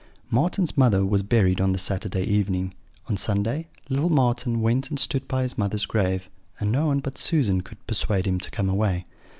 "Marten's mother was buried on Saturday evening. On Sunday little Marten went and stood by his mother's grave, and no one but Susan could persuade him to come away.